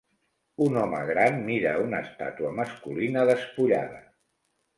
Un home gran mira una estàtua masculina despullada